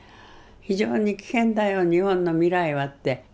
非常に危険だよ日本の未来はって。